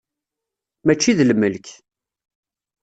Mačči d lmelk.